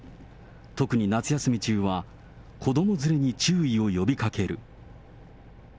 特に夏休み中は、子ども連れに注意を呼びかける。